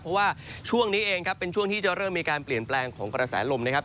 เพราะว่าช่วงนี้เองครับเป็นช่วงที่จะเริ่มมีการเปลี่ยนแปลงของกระแสลมนะครับ